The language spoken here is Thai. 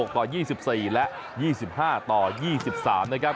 ต่อ๒๔และ๒๕ต่อ๒๓นะครับ